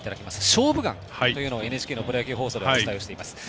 「勝負眼」というのをＮＨＫのプロ野球放送ではお伝えしています。